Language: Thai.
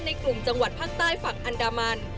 กลุ่มจังหวัดภาคใต้ฝั่งอันดามัน